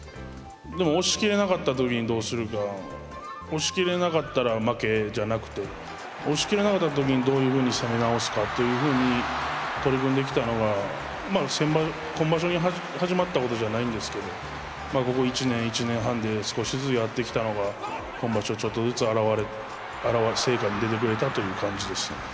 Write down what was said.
でも押し切れなかった時にどうするか押し切れなかったら負けじゃなくて押し切れなかった時にどういうふうに攻め直すかっていうふうに取り組んできたのが今場所に始まったことじゃないんですけどここ１年１年半で少しずつやってきたのが今場所ちょっとずつ成果に出てくれたという感じですね。